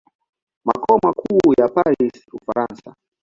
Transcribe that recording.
Makao makuu yako Paris, Ufaransa.